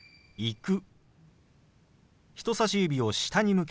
「行く」。